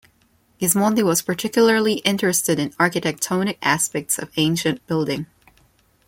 Gismondi was particularly interested in architectonic aspects of ancient building.